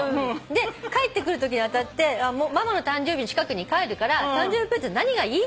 で帰ってくるときにあたってママの誕生日の近くに帰るから誕生日プレゼント何がいい？